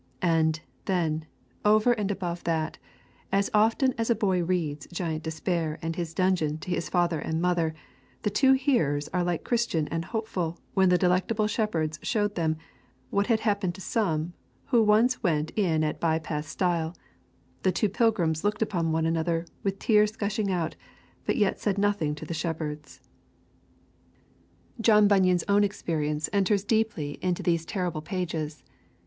And, then, over and above that, as often as a boy reads Giant Despair and his dungeon to his father and mother, the two hearers are like Christian and Hopeful when the Delectable shepherds showed them what had happened to some who once went in at By Path stile: the two pilgrims looked one upon another with tears gushing out, but yet said nothing to the shepherds. John Bunyan's own experience enters deeply into these terrible pages.